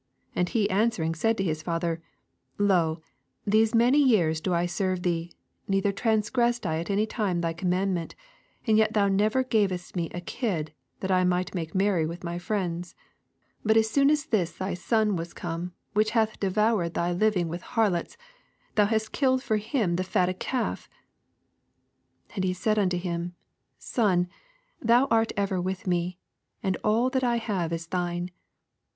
29 And he answering said to his father, Lo, these many years do I serve thee, neither transgressed 1 at any time thy commandment : and yet thou never gavest me a kid, that I might make merry with my friends : SO But as soon as this thy son waa come, which hath devoured thy liv'* ing with harlots, thou hast killed for him the fatted calf. 31 And he said unto him, Son, thou art ever with me, and all that I have is thine.